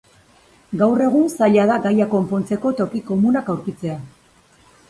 Gaur egun zaila da gaia konpontzeko toki komunak aurkitzea.